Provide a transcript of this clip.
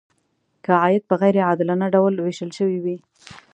که عاید په غیر عادلانه ډول ویشل شوی وي.